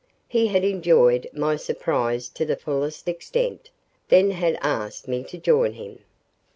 He had enjoyed my surprise to the fullest extent, then had asked me to join him.